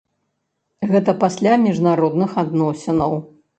Гэта пасля міжнародных адносінаў!